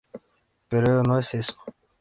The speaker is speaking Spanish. Pero no es eso.